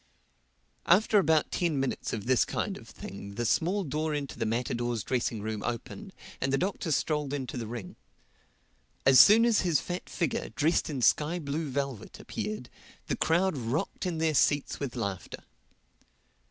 After about ten minutes of this kind of thing the small door into the matadors' dressing room opened and the Doctor strolled into the ring. As soon as his fat figure, dressed in sky blue velvet, appeared, the crowd rocked in their seats with laughter.